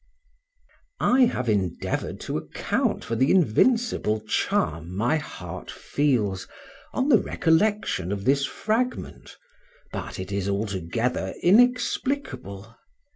I have endeavored to account for the invincible charm my heart feels on the recollection of this fragment, but it is altogether inexplicable.